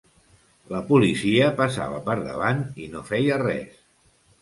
La policia passava per davant i no feia res.